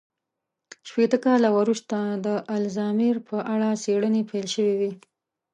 شپېته کاله وروسته د الزایمر په اړه څېړنې پيل شوې وې.